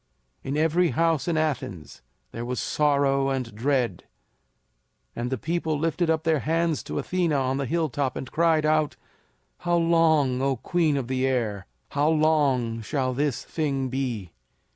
In every house in Athens there was sorrow and dread, and the people lifted up their hands to Athena on the hilltop and cried out, "How long, O Queen of the Air, how long shall this thing be?"